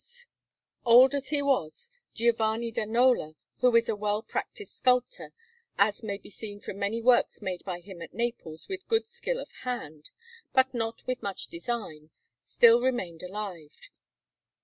Naples: Monte Oliveto) Alinari] Old as he was, Giovanni da Nola, who was a well practised sculptor, as may be seen from many works made by him at Naples with good skill of hand, but not with much design, still remained alive.